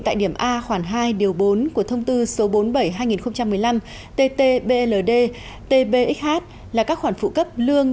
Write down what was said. tại điểm a khoảng hai bốn của thông tư số bốn mươi bảy hai nghìn một mươi năm ttbld tbxh là các khoản phụ cấp lương